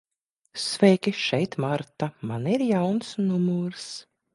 Sveiki, šeit Marta. Man ir jauns numurs.